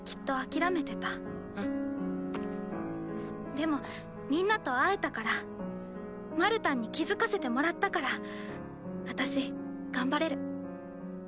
でもみんなと会えたからマルタンに気付かせてもらったから私頑張れる。